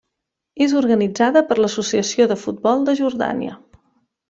És organitzada per l'Associació de Futbol de Jordània.